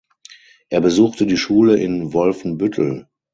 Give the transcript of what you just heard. Er besuchte die Schule in Wolfenbüttel.